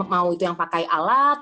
mau itu yang pakai alat